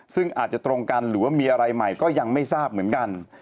ซึ่งอาจจะตรงกันหรือว่ามีอะไรใหม่ก็ยังไม่ทราบเหมือนกัน